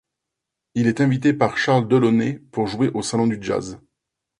Il est invité par Charles Delaunay pour jouer au Salon du Jazz.